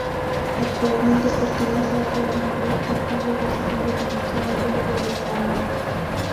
Actualmente pertenece al Real Madrid Castilla de Segunda División B de España.